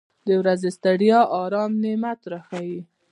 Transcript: • د ورځې ستړیا د آرام نعمت راښیي.